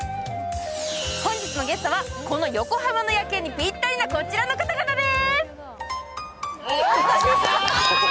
本日のゲストはこの横浜の夜景にぴったりなこちらの方々です。